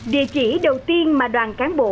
địa chỉ đầu tiên mà đoàn cán bộ